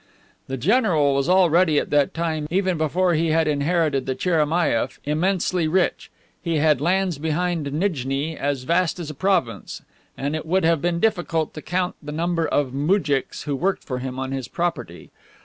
The general was already, at that time, even before he had inherited the Cheremaieff, immensely rich. He had lands behind Nijni as vast as a province, and it would have been difficult to count the number of moujiks who worked for him on his property.